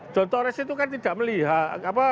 john torres itu kan tidak melihat